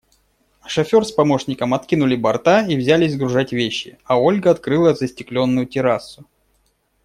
Шофер с помощником откинули борта и взялись сгружать вещи, а Ольга открыла застекленную террасу.